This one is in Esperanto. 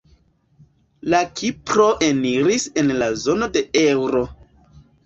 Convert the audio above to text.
La Kipro eniris en la zono de eŭro.